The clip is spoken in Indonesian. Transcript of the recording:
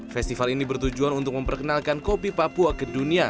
festival ini bertujuan untuk memperkenalkan kopi papua ke dunia